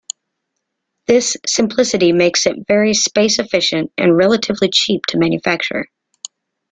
This simplicity makes it very space-efficient and relatively cheap to manufacture.